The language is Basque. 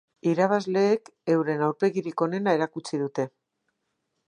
Irabazleek euren aurpegirik onena erakutsi dute.